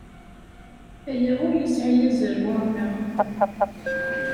Aya ur yesɛi azal ɣur-neɣ.